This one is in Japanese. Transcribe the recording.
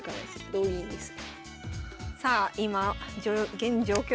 同銀です。